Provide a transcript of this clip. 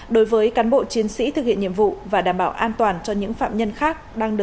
đối với cán bộ chiến sĩ thực hiện nhiệm vụ và đảm bảo an toàn cho những phạm nhân khác đang được